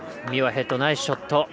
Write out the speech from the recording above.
ミュアヘッド、ナイスショット。